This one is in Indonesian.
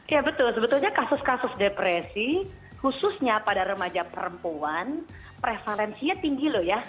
ya betul sebetulnya kasus kasus depresi khususnya pada remaja perempuan prevalensinya tinggi loh ya